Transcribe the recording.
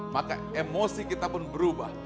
maka emosi kita pun berubah